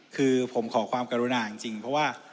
คือผมขอความกรุณาจริงเพราะว่า